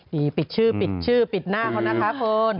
นี่ปิดชื่อปิดหน้าเขานะครับคนน่ะ